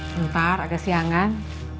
bentar ada siangan